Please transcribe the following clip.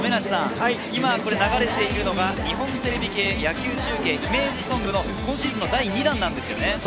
今、流れているのが日本テレビ系野球中継イメージソングの今シーズン第２弾なんですよね。